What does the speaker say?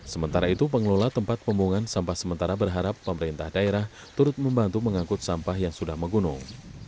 sementara itu pengelola tempat pembuangan sampah sementara berharap pemerintah daerah turut membantu mengangkut sampah yang sudah menggunung